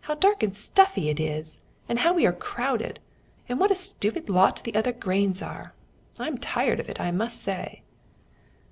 How dark and stuffy it is, and how we are crowded, and what a stupid lot the other grains are! I'm tired of it, I must say."